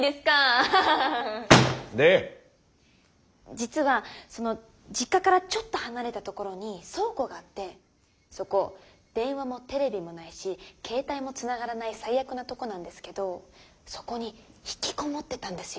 実はその実家からちょっと離れた所に倉庫があってそこ電話もテレビもないし携帯もつながらない最悪なとこなんですけどそこに引きこもってたんですよー。